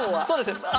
そうですね